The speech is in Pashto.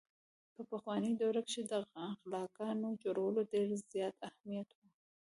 په پخواني دور کښې د قلاګانو جوړولو ډېر زيات اهميت وو۔